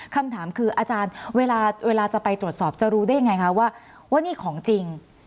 คำถามคืออาจารย์เวลาจะไปตรวจสอบจะรู้ได้ยังไงคะว่านี่ของจริง